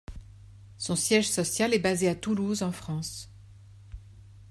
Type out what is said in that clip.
Son siège social est basé à Toulouse en France.